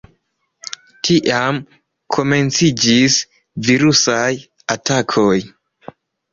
Tiam komenciĝis virusaj atakoj.